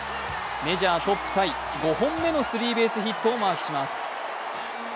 メジャートップタイ５本目のスリーベースヒットを、マークします